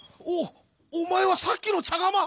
おおまえはさっきのちゃがま！」。